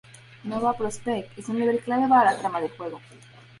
Nova Prospekt es un nivel clave para la trama del juego.